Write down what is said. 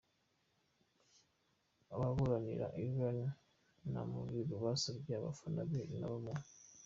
Ababuranira Iryn Namubiru basabye abafana be nabo mu.